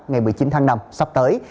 ngày một mươi chín tháng năm sắp tới